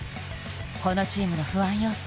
このチームの不安要素